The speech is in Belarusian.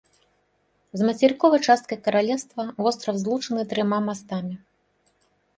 З мацерыковай часткай каралеўства востраў злучаны трыма мастамі.